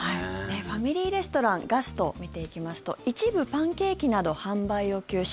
ファミリーレストランガストを見ていきますと一部パンケーキなど販売を休止。